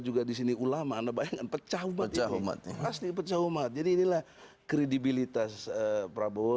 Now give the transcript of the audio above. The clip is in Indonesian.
juga disini ulama anabayan pecah umatnya umatnya asli pecah umat jadi inilah kredibilitas prabowo